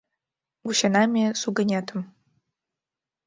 Вучена ме сугынетым